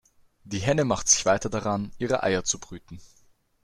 Die Henne machte sich weiter daran, ihre Eier zu brüten.